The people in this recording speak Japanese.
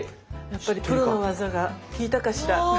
やっぱりプロの技がきいたかしら。